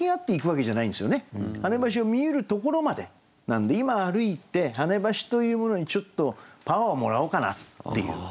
なんで今歩いて跳ね橋というものにちょっとパワーをもらおうかなっていう。